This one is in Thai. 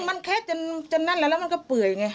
มันแค่จนนั่นแล้วแล้วมันก็เปื่อยไง